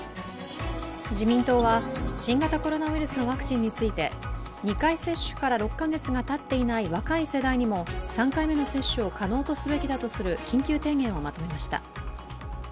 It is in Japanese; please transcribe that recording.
自民党は新型コロナウイルスのワクチンについて２回接種から６カ月がたっていない若い世代にも３回目の接種を可能とすべきだとする緊急提言をまとめました。